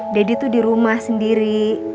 deddy tuh di rumah sendiri